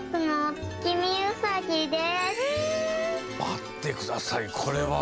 まってくださいこれは。